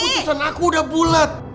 keputusan aku udah bulat